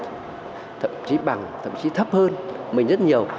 tài nguyên tiềm năng du lịch thậm chí bằng thậm chí thấp hơn mình rất nhiều